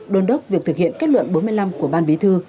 đôn đốc việc thực hiện kết luận bốn mươi năm của ban bí thư